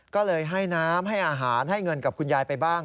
ก็เลยให้น้ำให้อาหารให้เงินกับคุณยายไปบ้าง